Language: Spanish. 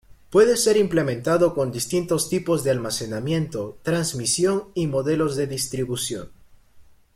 Puede ser implementado con distintos tipos de almacenamiento, transmisión y modelos de distribución.